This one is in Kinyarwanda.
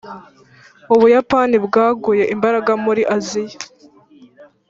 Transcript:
ubuyapani bwaguye imbaraga muri aziya